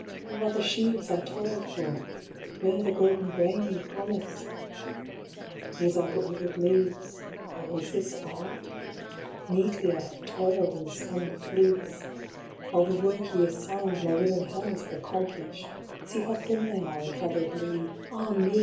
Where are the sheaves I toiled for ? Where the golden grain ye promised ? These are but withered leaves. Oh, is this all ? Meekly I have toiled and spun the fleece. All the work ye assigned, my willing hands have accom plished. DRIFTS THAT BAR MY DOOR. 69 See how thin they are, and how they bleed. Ah me